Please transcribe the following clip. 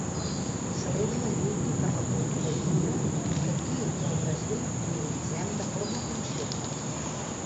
Celebra la lluita per la cultura lliure que aquí i al Brasil prioritzem de forma conscient.